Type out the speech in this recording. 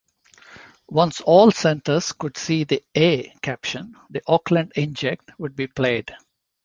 Once all centres could see the "A" caption, the Auckland inject would be played.